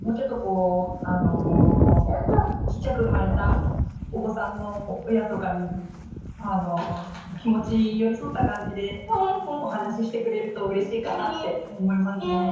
もうちょっとこうちっちゃく生まれたお子さんの親とかに気持ち寄り添った感じでお話ししてくれるとうれしいかなって思いましたね。